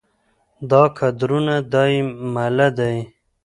دا کدرونه دا يې مله دي